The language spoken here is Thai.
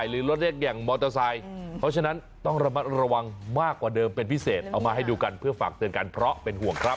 ระวังมากกว่าเดิมเป็นพิเศษเอามาให้ดูกันเพื่อฝากเจือนกันเพราะเป็นห่วงครับ